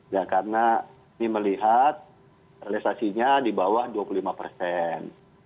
ya karena ini melihat realisasinya di bawah dua puluh lima persen